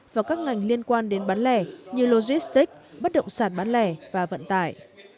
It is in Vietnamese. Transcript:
và các ngành liên quan đến bán lẻ như logistics bất động sản bán lẻ và vận tải